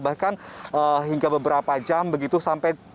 bahkan hingga beberapa jam begitu sampai